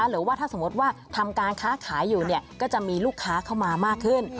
หรือว่าถ้าสมมติว่าทำการค้าขายอยู่เนี่ยก็จะมีลูกค้าเข้ามามากขึ้น